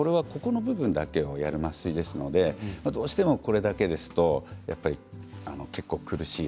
どの部分だけをやる麻酔ですのでどうしてもこれだけですと結構苦しい